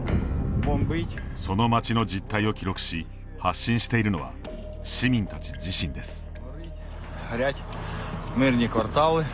その街の実態を記録し発信しているのは市民たち自身です。